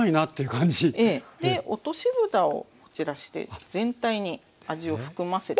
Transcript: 落としぶたをこちらして全体に味を含ませていきます。